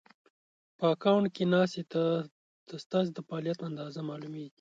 په اکونټ کې ناسې ته ستاسې د فعالیت اندازه مالومېږي